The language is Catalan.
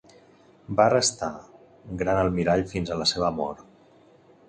Va restar gran almirall fins a la seva mort.